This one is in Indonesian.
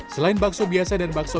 selain bakso biasa dan bakso